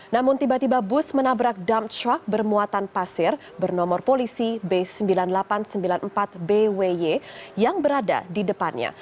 namun tiba tiba bus menabrak dump truck bermuatan pasir bernomor polisi b sembilan ribu delapan ratus sembilan puluh empat bwy yang berada di depannya